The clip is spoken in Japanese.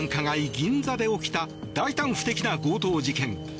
銀座で起きた大胆不敵な強盗事件。